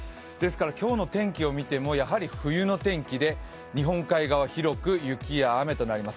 今日の天気を見ても冬の天気で日本海側広く雪や雨となります。